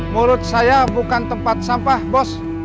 menurut saya bukan tempat sampah bos